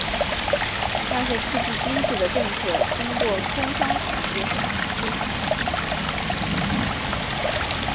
那些刺激经济的政策通过通商产业省出台。